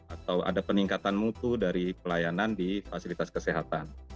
atau ada peningkatan mutu dari pelayanan di fasilitas kesehatan